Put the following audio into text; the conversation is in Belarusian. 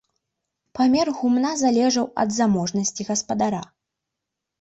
Памер гумна залежаў ад заможнасці гаспадара.